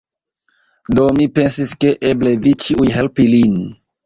Do, mi pensis, ke eble vi ĉiuj helpi lin